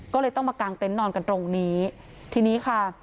ก็เลยต้องมากางเต็นต์นอนกันตรงนี้ทีนี้ค่ะ